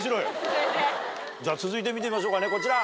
じゃ続いて見てみましょうかねこちら。